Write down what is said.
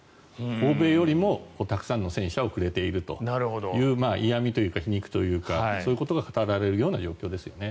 欧米よりもたくさんの戦車をくれているという嫌味というか皮肉というかそういうことが語られるような状況ですよね。